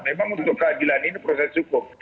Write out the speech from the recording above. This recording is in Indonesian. memang untuk keadilan ini proses hukum